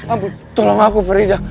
ampun tolong aku farida